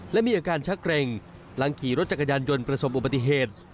และมีอาการชักเกร็งหลังขี่รถจักรยานยนต์ประสบอุบัติเหตุ